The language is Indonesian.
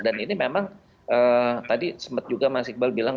dan ini memang tadi sempat juga mas iqbal bilang